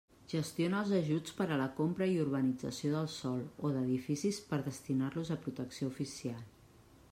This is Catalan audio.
Gestiona els ajuts per a la compra i urbanització del sòl o d'edificis per destinar-los a protecció oficial.